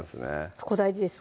そこ大事です